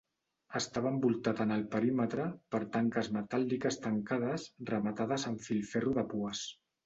Estava envoltat en el perímetre per tanques metàl·liques tancades rematades amb filferro de pues.